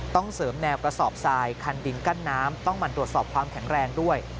ต้องเสริมแนวกระสอบทรายคันดินกั้นน้ำต้องมันตรวจสอบความแข็งแรงด้วย